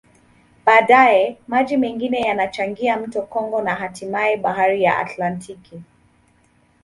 Baadaye, maji mengine yanachangia mto Kongo na hatimaye Bahari ya Atlantiki.